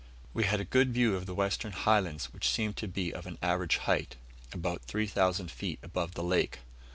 We had a good view of the western highlands, which seemed to be of an average height, about 3,000 feet above the lake.